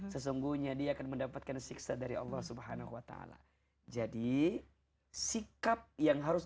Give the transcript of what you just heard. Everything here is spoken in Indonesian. sesungguhnya dia akan mendapatkan siksa dari allah swt jadi sikap yang harus